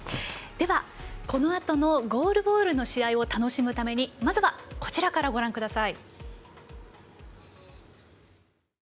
このあとのゴールボールの試合を楽しむためにまずはこちらからご覧ください。